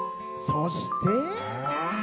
そして。